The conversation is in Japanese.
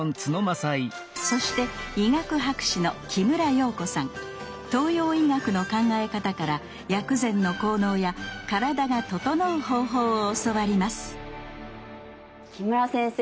そして医学博士の東洋医学の考え方から薬膳の効能や体がととのう方法を教わります木村先生